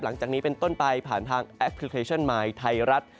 หลังจากนี้เป็นต้นไปผ่านทางแอปพลิเคชันมายไทยรัฐ